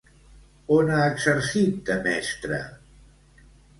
On ha exercit de mestra?